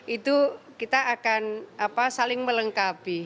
itu kita akan saling melengkapi